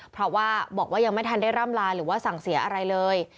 เพราะว่าบอกว่ายังไม่ทันได้ร่ำลาหรือว่าสั่งเสียอะไรเลย